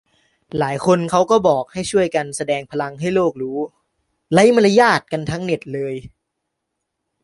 หลายคนเขาก็บอกว่าให้ช่วยกันแสดงพลังให้โลกรู้ - ไร้มารยาทกันทั้งเน็ตเลย